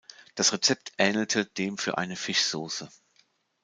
Das Rezept ähnelte dem für eine Fischsauce.